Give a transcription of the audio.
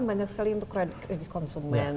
banyak sekali untuk kredit konsumen